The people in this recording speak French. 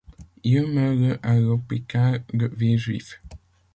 Il meurt le à l'hôpital de Villejuif.